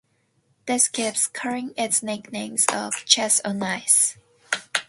This gives curling its nickname of "chess on ice".